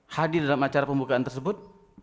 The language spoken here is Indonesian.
hadir dalam acara pembukaan tersebut